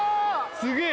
すげえ